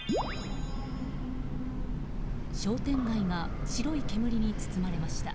商店街が白い煙に包まれました。